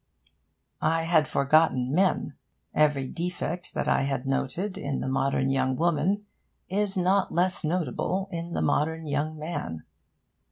I had forgotten men. Every defect that I had noted in the modern young woman is not less notable in the modern young man.